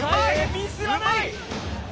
ミスはない！